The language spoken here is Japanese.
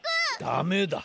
ダメだ。